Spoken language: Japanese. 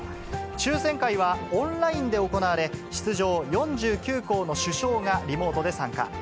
抽せん会はオンラインで行われ、出場４９校の主将がリモートで参加。